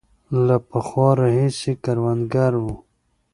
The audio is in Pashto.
له پخوا راهیسې کروندګر وو.